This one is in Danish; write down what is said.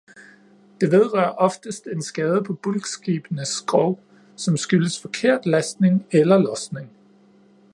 Det vedrører oftest en skade på bulkskibenes skrog, som skyldes forkert lastning eller losning.